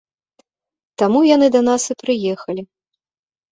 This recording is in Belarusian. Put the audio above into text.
Таму яны да нас і прыехалі.